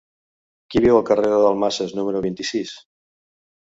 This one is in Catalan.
Qui viu al carrer de Dalmases número vint-i-sis?